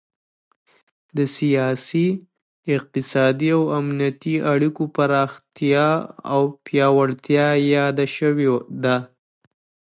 د سیاسي، اقتصادي او امنیتي اړیکو پراختیا او پیاوړتیا یاده شوې ده